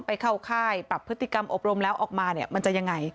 ไปเข้าค่ายปรับพฤติกรรมอบรมแล้วออกมาเนี่ยมันจะยังไง